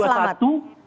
satu satu pak selamat